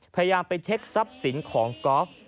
พยายามไปเช็คทรัพย์สินของกอล์ฟ